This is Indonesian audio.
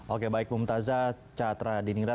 oke baik bumtazah catra diningra